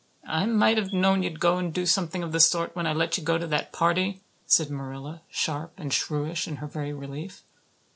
"I might have known you'd go and do something of the sort when I let you go to that party," said Marilla, sharp and shrewish in her very relief.